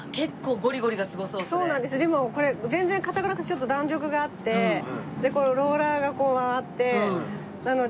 でもこれ全然硬くなくてちょっと弾力があってローラーがこう回ってなので。